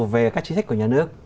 về các chính sách của nhà nước